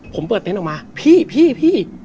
ผมเปิดเต็นต์ออกมาพี่พี่